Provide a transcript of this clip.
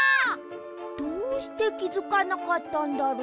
どうしてきづかなかったんだろう。